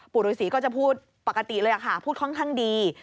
ฤษีก็จะพูดปกติเลยค่ะพูดค่อนข้างดี